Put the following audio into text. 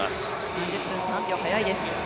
３０分３秒、速いです。